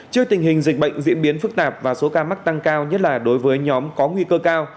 trước tình hình dịch bệnh diễn biến phức tạp và số ca mắc tăng cao nhất là đối với nhóm có nguy cơ cao